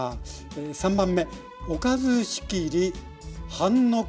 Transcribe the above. ３番目「おかず仕切り」「半のっけ」。